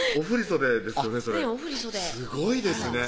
それすごいですね